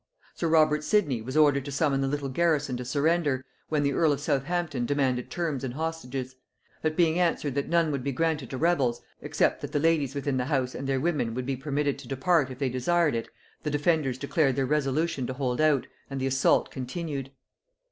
Sir Robert Sidney was ordered to summon the little garrison to surrender, when the earl of Southampton demanded terms and hostages; but being answered that none would be granted to rebels, except that the ladies within the house and their women would be permitted to depart if they desired it, the defenders declared their resolution to hold out, and the assault continued.